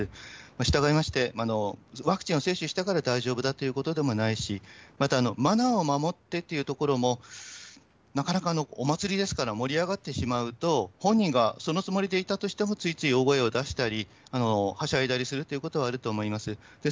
従いまして、ワクチンを接種したから大丈夫だということでもないし、またマナーを守ってというところも、なかなかお祭りですから、盛り上がってしまうと、本人がそのつもりでいたとしても、ついつい大声を出したり、はしゃいだりするということはあると思います。